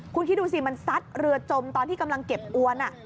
คุณคิดดูสิมันซัดเรือจมตอนที่กำลังเก็บอวน